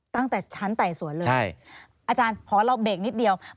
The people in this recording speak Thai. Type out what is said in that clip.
ตั้งแต่ชั้นไต่สวนเลยอาจารย์ขอเราเบรกนิดเดียว